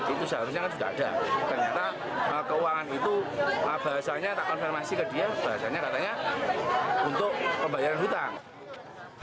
itu seharusnya kan sudah ada ternyata keuangan itu bahasanya tak konfirmasi ke dia bahasanya katanya untuk pembayaran hutang